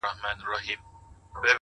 هره تجربه د راتلونکې پانګه ده’